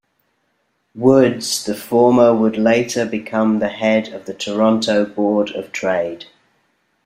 Woods, the former would later become the head of the Toronto Board of Trade.